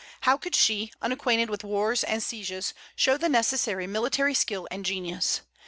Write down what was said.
How could she, unacquainted with wars and sieges, show the necessary military skill and genius?